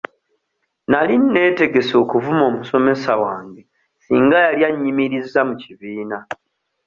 Nali neetegese okuvuma omusomesa wange singa yali annyimirizza mu kibiina.